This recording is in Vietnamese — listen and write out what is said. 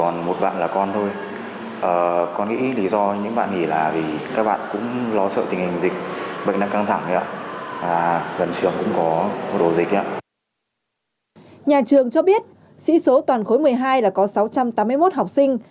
nhà trường cho biết sĩ số toàn khối một mươi hai là có sáu trăm tám mươi một học sinh